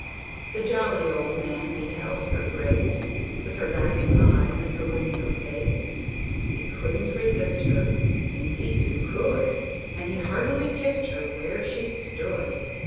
The jolly old man beheld Her Grace, With her laughing eyes and her winsome face; He couldn't resist her, Indeed, who could? And he heartily kissed her Where she stood!